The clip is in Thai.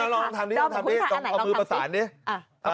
ลองทำดิเอามือผสานดิอะ